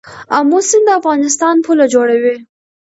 امو سیند د افغانستان پوله جوړوي.